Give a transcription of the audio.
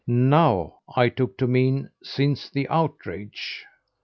'Now,' I took to mean, 'since the outrage.